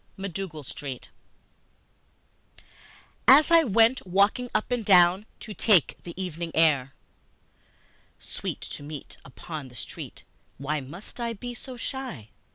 MacDougal Street AS I went walking up and down to take the evening air, (Sweet to meet upon the street, why must I be so shy?)